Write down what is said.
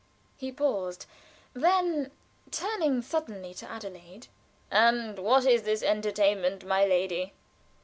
He paused. Then, turning suddenly to Adelaide: "And what is this entertainment, my lady?"